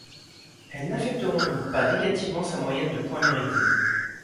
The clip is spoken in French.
Elle n'affecteront donc pas négativement sa moyenne de points mérités.